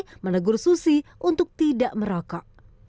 dan mencari kebiasaan buruk susi untuk tidak merokok